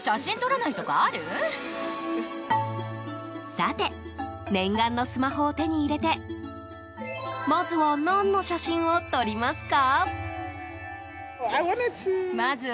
さて、念願のスマホを手に入れてまずは何の写真を撮りますか？